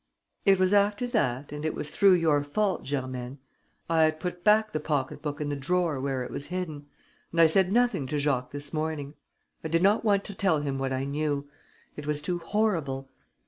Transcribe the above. "It was after that and it was through your fault Germaine ... I had put back the pocket book in the drawer where it was hidden; and I said nothing to Jacques this morning ... I did not want to tell him what I knew.... It was too horrible....